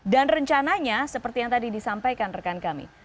dan rencananya seperti yang tadi disampaikan rekan kami